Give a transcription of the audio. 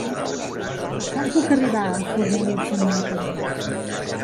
Com puc arribar a Fornalutx amb moto?